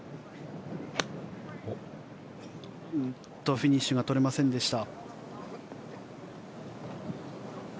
フィニッシュが撮れませんでした。